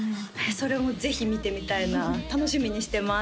それもぜひ見てみたいな楽しみにしてます